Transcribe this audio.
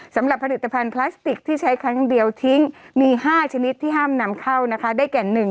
สำหรับผลิตภัณฑ์พลาสติกที่ใช้ครั้งเดียวทิ้งมี๕ชนิดที่ห้ามนำเข้านะคะได้แก่๑